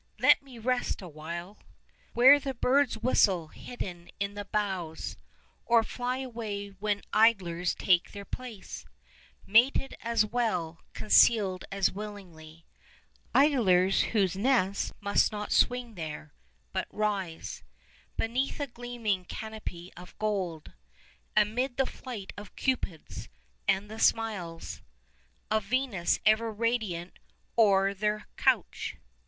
Let me rest awhile Where the birds whistle hidden in the boughs, Or fly away when idlers take their place, Mated as well, concealed as willingly; 5 Idlers whose nest must not swing there, but rise Beneath a gleaming canopy of gold, Amid the flight of Cupids, and the smiles Of Venus ever radiant o'er their couch.